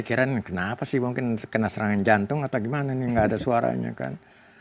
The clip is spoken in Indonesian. kirain kenapa sih mungkin kena serangan jantung atau gimana nih nggak ada suaranya kan